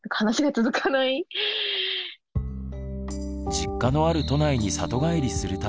実家のある都内に里帰りするたび